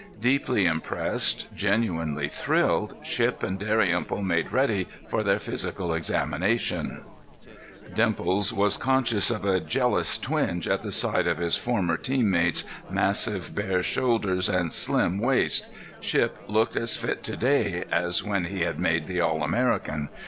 Deeply impressed, genuinely thrilled, Shipp and Dalrymple made ready for their physical examinations. Dimples was conscious of a jealous twinge at the sight of his former team mate's massive bare shoulders and slim waist; Shipp looked as fit to day as when he had made the All American.